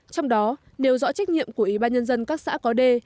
trong đó nêu rõ trách nhiệm của ủy ban nhân dân các xã có đê